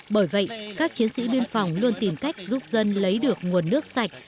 bởi vậy các chiến sĩ biên phòng luôn tìm cách giúp dân lấy được nguồn nước sạch